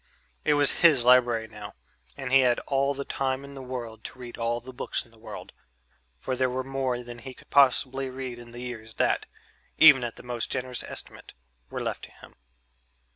It was his library now, and he had all the time in the world to read all the books in the world for there were more than he could possibly read in the years that, even at the most generous estimate, were left to him.